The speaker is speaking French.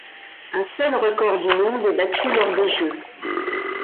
Un seul record du monde est battu lors des Jeux.